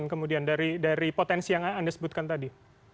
kemudian dari potensi yang anda sebutkan tadi